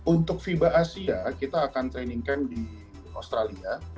untuk fiba asia kita akan training camp di australia